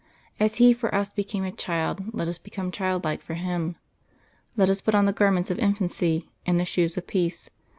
As He for us became a child, let us become childlike for Him. Let us put on the garments of infancy and the shoes of peace.